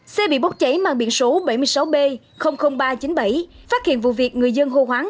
xe bị bốc cháy mang biển số bảy mươi sáu b ba trăm chín mươi bảy phát hiện vụ việc người dân hô hoáng